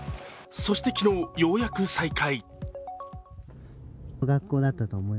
そして、昨日ようやく再開。